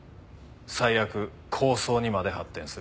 最悪抗争にまで発展する。